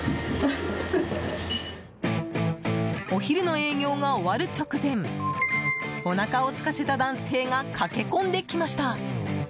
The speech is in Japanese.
お昼の営業が終わる直前おなかをすかせた男性が駆け込んできました。